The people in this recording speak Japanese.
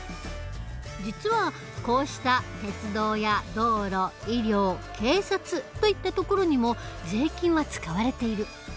実はこうした鉄道や道路医療警察といったところにも税金は使われている。